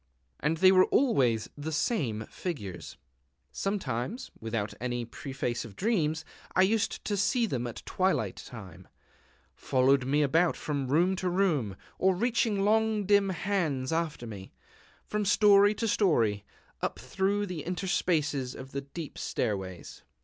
And they were always the same figures.... Sometimes, without any preface of dreams, I used to see them at twilight time, following me about from room to room, or reaching long dim hands after me, from story to story, up through the interspaces of the deep stairways.